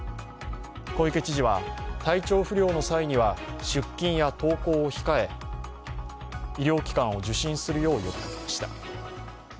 小池知事は、体調不良の際には出勤や登校を控え、医療機関を受診するよう呼びかけました。